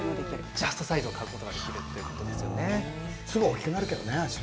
ジャストサイズを買うことができるんですね。